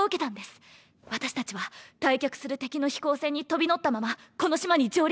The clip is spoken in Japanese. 私たちは退却する敵の飛行船に飛び乗ったままこの島に上陸しました！